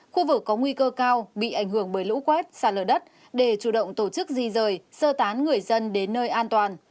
khu vực có nguy cơ cao bị ảnh hưởng bởi lũ quét xa lở đất để chủ động tổ chức di rời sơ tán người dân đến nơi an toàn